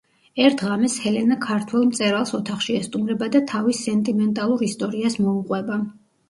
ერთ ღამეს ჰელენა ქართველ მწერალს ოთახში ესტუმრება და თავის სენტიმენტალურ ისტორიას მოუყვება.